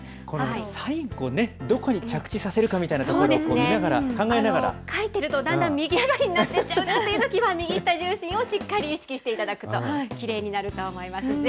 この最後ね、どこに着地させるかみたいなところを見ながら、書いてるとだんだん右上がりになっていっちゃうというときは、そのときは右下重心をしっかり意識していただくときれいになると思います。